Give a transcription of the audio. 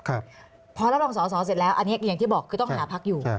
อันเนี้ยอย่างที่บอกคือต้องหาพักอยู่